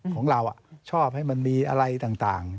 ของเราชอบให้มันมีอะไรต่าง